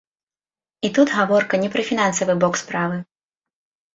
І тут гаворка не пра фінансавы бок справы.